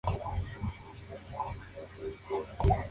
En España se conoce frecuentemente bajo el nombre de "tallarines".